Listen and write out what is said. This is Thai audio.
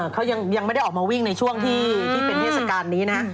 เขายังไม่ได้ออกมาวิ่งในช่วงที่เป็นเทศกาลนี้นะ